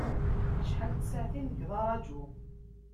Acḥal n tsaɛtin nekk d araǧu.